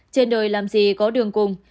trên đời làm gì có đường cùng